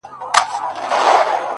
ستا خو صرف خندا غواړم چي تا غواړم _